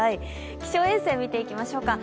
気象衛星、見ていきましょう。